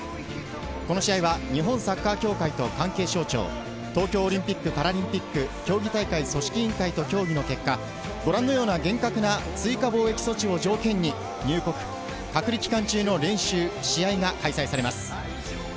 試合は日本サッカー協会と関係省庁、東京オリンピックパラリンピック競技大会組織委員会と協議の結果、ご覧のような厳格な追加防疫措置を条件に入国隔離期間中の練習、試合が開催されます。